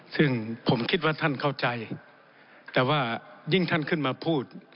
ซึ่งผมคิดว่าท่านเข้าใจแต่ว่ายิ่งท่านขึ้นมาพูด